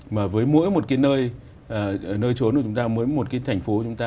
mà với mỗi một cái nơi trốn của chúng ta mới một cái thành phố chúng ta